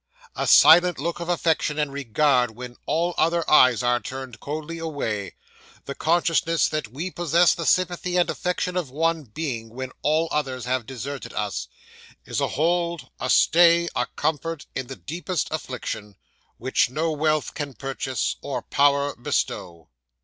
A silent look of affection and regard when all other eyes are turned coldly away the consciousness that we possess the sympathy and affection of one being when all others have deserted us is a hold, a stay, a comfort, in the deepest affliction, which no wealth could purchase, or power bestow.